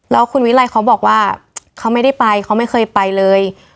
แล้วคุณวิรัยเขาบอกว่าเขาไม่ได้ไปเขาไม่เคยไปเลย